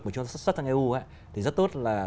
mà chúng ta xuất sang eu thì rất tốt là